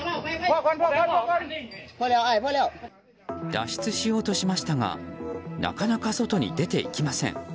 脱出しようとしましたがなかなか外に出て行きません。